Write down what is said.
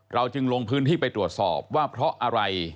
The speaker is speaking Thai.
จึงลงพื้นที่ไปตรวจสอบว่าเพราะอะไร